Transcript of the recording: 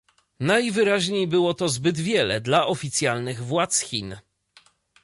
Najwyraźniej było to zbyt wiele dla oficjalnych władz Chin